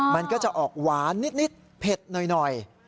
มันก็จะออกหวานนิดเผ็ดหน่อย